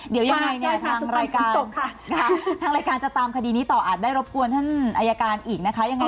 เดี๋ยวยังไงทางรายการจะตามคดีนี้ต่ออาจได้รบกวนท่านอายการอีกนะคะ